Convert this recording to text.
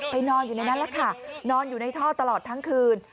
นอนอยู่ในนั้นแหละค่ะนอนอยู่ในท่อตลอดทั้งคืน